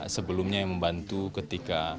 sebelumnya yang membantu ketika